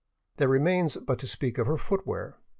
There remains but to speak of her footwear.